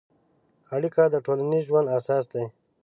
اړیکه د ټولنیز ژوند اساس دی.